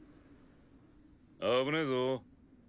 危ねぇぞ。